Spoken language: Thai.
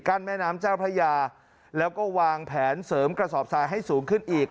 แม่น้ำเจ้าพระยาแล้วก็วางแผนเสริมกระสอบทรายให้สูงขึ้นอีก